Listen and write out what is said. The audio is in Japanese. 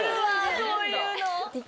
そういうの。